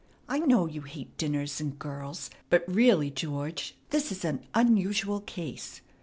I know you hate dinners and girls. But really, George, this is an unusual case.